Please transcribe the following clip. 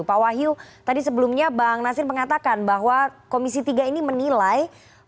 pak wahyu tadi sebelumnya bang nasir mengatakan bahwa komisi tiga ini menilai